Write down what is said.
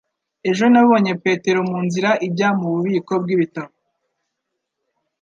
Ejo nabonye Petero munzira ijya mububiko bwibitabo